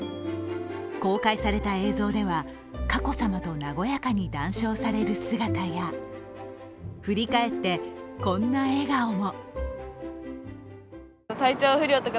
公開された映像では佳子さまと和やかに談笑される姿や、振り返って、こんな笑顔も。